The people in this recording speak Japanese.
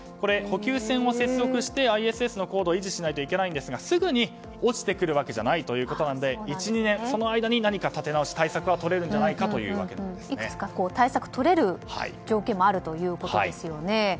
補給船を接続してＩＳＳの高度を維持しないといけないんですがすぐに落ちてくるわけじゃないということなので１２年、その間に何か立て直していくつか対策をとれる条件もあるということですよね。